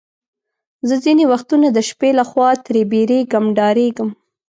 زه ځینې وختونه د شپې له خوا ترې بیریږم، ډارېږم.